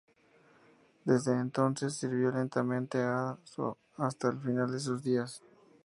Desde entonces sirvió lealmente a Shu hasta el final de sus días.